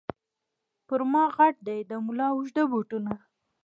پر ما غټ دي د مُلا اوږده بوټونه